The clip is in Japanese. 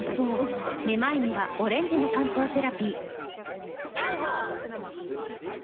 めまいにはオレンジの漢方セラピー